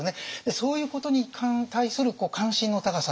そういうことに対する関心の高さ。